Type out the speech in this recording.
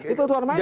itu aturan mainnya